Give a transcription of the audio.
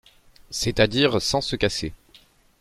c’est-à-dire sans se casser.